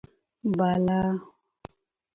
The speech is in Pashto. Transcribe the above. بالا: